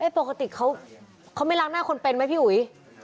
ปกติเขาไม่ล้างหน้าคนเป็นไหมพี่อุ๋ย